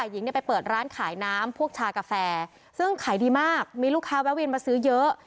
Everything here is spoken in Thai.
มีลูกค้าแวะเวียนมาซื้อเยอะ